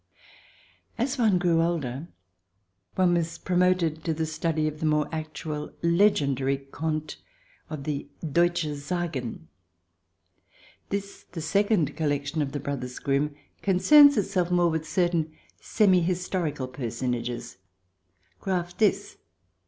As one grew older, one was promoted to the study of the more actual, legendary conies of the " Deutsche Sagen." This, the second collection of the brothers Grimm, concerns itself more with certain semi historical per sonages, Graf this.